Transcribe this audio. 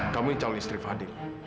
kamu ini cowok istri fadil